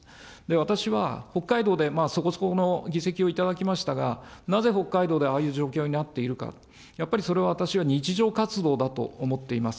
私は、北海道でそこそこの議席を頂きましたが、なぜ北海道でああいう状況になっているか、やっぱりそれは、私は日常活動だと思っています。